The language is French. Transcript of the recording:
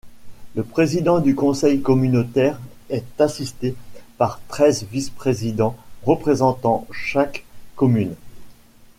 Le président du conseil communautaire est assisté par treize vice-présidents représentant chaque commune.